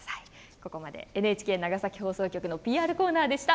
ここまでＮＨＫ長崎放送局のＰＲコーナーでした。